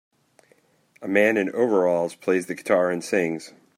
A man in overalls plays the guitar and sings.